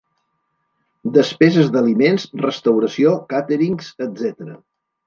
Despeses d'aliments, restauració, càterings, etcètera.